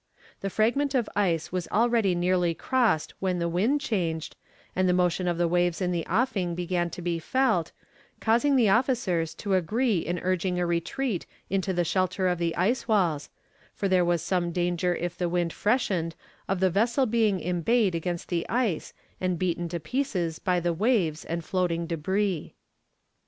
The fragment of ice was already nearly crossed when the wind changed, and the motion of the waves in the offing began to be felt, causing the officers to agree in urging a retreat into the shelter of the ice walls, for there was some danger if the wind freshened of the vessel being embayed against the ice and beaten to pieces by the waves and floating débris.